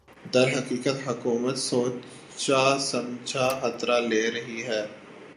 درحقیقت حکومت سوچاسمجھا خطرہ لے رہی ہے